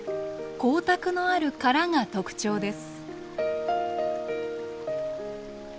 光沢のある殻が特徴です。